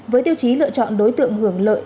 với tiêu chí lựa chọn đối tượng hưởng lợi